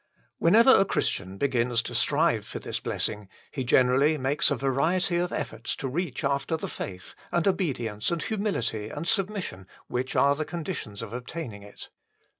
Whenever a Christian begins to strive for this blessing, he generally makes a variety of efforts to reach after the faith, and obedience, and humility, and submission which are the con ditions of obtaining it.